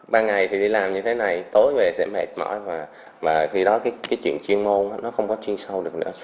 ban ngày thì đi làm như thế này tối về sẽ mệt mỏi và khi đó cái chuyện chuyên môn nó không có chuyên sâu được nữa